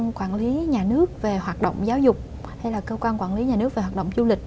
quản lý nhà nước về hoạt động giáo dục hay là cơ quan quản lý nhà nước về hoạt động du lịch